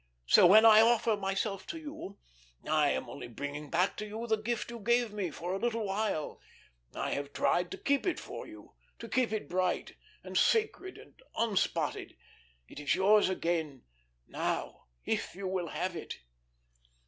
So when I offer myself to you, I am only bringing back to you the gift you gave me for a little while. I have tried to keep it for you, to keep it bright and sacred and un spotted. It is yours again now if you will have it."